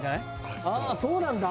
「ああそうなんだ」。